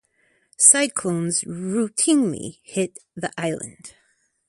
Cyclones routinely hit the island.